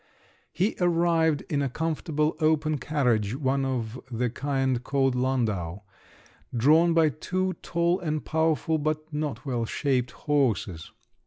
He arrived in a comfortable open carriage—one of the kind called landau—drawn by two tall and powerful but not well shaped horses.